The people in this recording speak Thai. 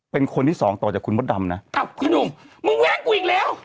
เป็นคนที่สองต่อจากคุณพันดำนะคุณหนึ่งมึงแม้งกูอีกแล้ว